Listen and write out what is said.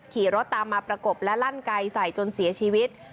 ขี่รถตามมาประกบและลั่นไกลใส่จนเสียชีวิต